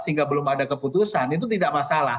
sehingga belum ada keputusan itu tidak masalah